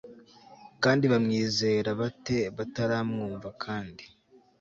Kandi bamwizera bate bataramwumva Kandi